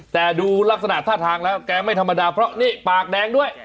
แต่ดูลักษณะท่าทางแล้วแกไม่ธรรมดาเพราะนี่ปากแดงด้วย